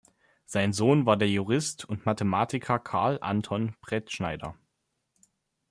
Sein Sohn war der Jurist und Mathematiker Carl Anton Bretschneider.